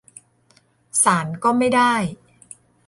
ศาลก็ไม่ได้